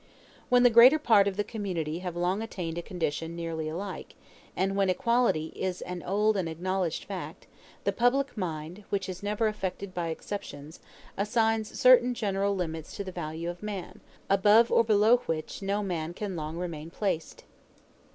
When the greater part of the community have long attained a condition nearly alike, and when equality is an old and acknowledged fact, the public mind, which is never affected by exceptions, assigns certain general limits to the value of man, above or below which no man can long remain placed.